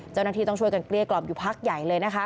เจ้าหน้าที่ต้องช่วยกันเกลี้ยกล่อมอยู่พักใหญ่เลยนะคะ